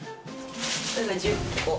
これが１０個。